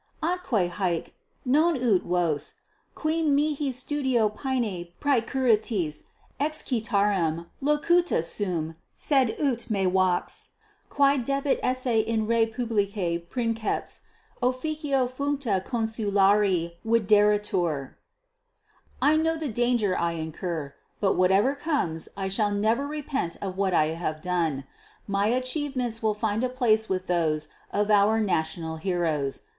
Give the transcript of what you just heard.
Atque haec, non ut vos, qui mihi studio paene praecurritis, excitarem, locutus sum, sed ut mea vox, quae debet esse in re publica princeps, officio functa consulari videretur. _I know the danger I incur; but whatever comes I shall never repent of what I have done. My achievements will find a place with those of our national heroes.